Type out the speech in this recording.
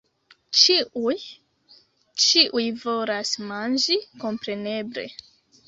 Ĉiuj... ĉiuj volas manĝi kompreneble!